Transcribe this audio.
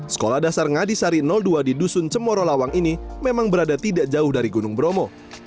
sekolah dasar ngadisari dua di dusun cemoro lawang ini memang berada tidak jauh dari gunung bromo